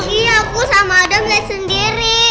iya aku sama adam liat sendiri